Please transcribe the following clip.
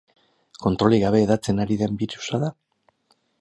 Kontrolik gabe hedatzen ari den birusa da?